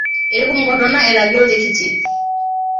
এরকম ঘটনা এর আগেও দেখেছি!